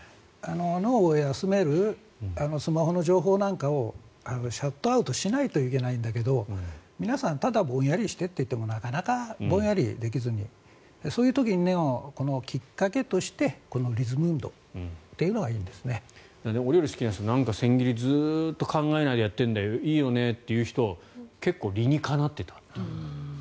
脳を休めるスマホの情報なんかをシャットアウトしないといけないんだけど皆さん、ただぼんやりしてと言ってもなかなかぼんやりできずにそういう時にきっかけとしてリズム運動というのがお料理好きな人千切りずっと考えないでやっている人いいんだよねという人結構理にかなっていた。